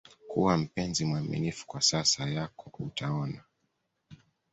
kuwa mpenzi mwaminifu kwa sasa yako utaona